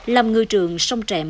lâm ngư trường sông trẹm